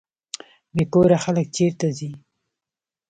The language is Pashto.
بې کوره خلک چیرته ځي؟